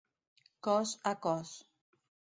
Cos a cos.